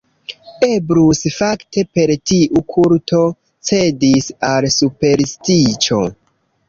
Eblus, fakte, per tiu kulto cedis al superstiĉo.